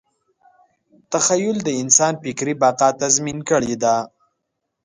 تخیل د انسان فکري بقا تضمین کړې ده.